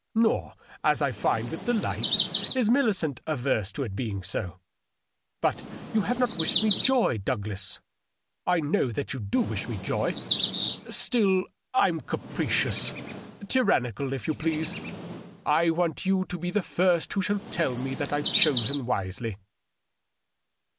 Nor, as I find with delight, is illioent averse to its being so. .. But you have not wished me joy, Douglas. I know that you do wish me joy. Still, I'm capricious — DOUGLAS DUANE. 673 tyrannical, if you please. I want you to be the first who shall tell me that IVe chosen wisely.